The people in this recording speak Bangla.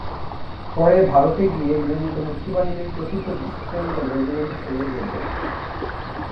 পরে ভারতে গিয়ে নিয়মিত মুক্তিবাহিনীর চতুর্থ ইস্ট বেঙ্গল রেজিমেন্টের সঙ্গে যোগ দেন।